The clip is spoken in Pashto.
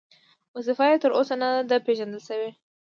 وظیفه یې تر اوسه نه ده پېژندل شوې.